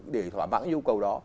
để thỏa mãn cái nhu cầu đó